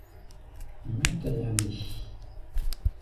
Mɛ́ tɛa nde?